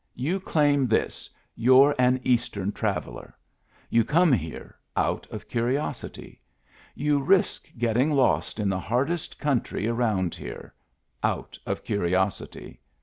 " You claim this : you're an Eastern traveller. You come here — out of curiosity. You risk getting lost in the hardest country around here — out of curiosity.